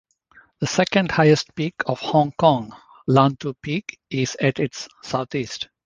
The second highest peak of Hong Kong, Lantau Peak, is at its southeast.